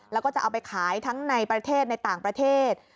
แล้วก็จะเอาไปขายทั้งในประเทศในต่างประเทศ